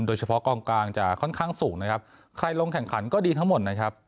โดยเฉพาะกองกลางจะค่อนข้างสูงนะครับใครลงแข่งขันก็ดีทั้งหมดนะครับ